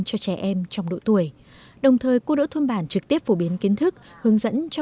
cho trẻ em trong độ tuổi đồng thời cô đỡ thôn bản trực tiếp phổ biến kiến thức hướng dẫn cho